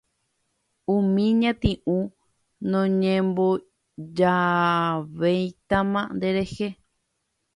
umi ñati'ũ noñembojamo'ãvéitama nderehe